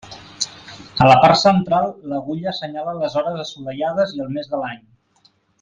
A la part central l'agulla assenyala les hores assolellades i el mes de l'any.